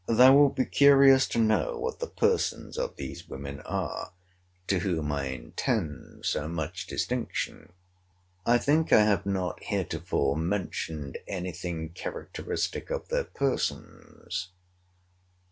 Thou wilt be curious to know what the persons of these women are, to whom I intend so much distinction. I think I have not heretofore mentioned any thing characteristic of their persons.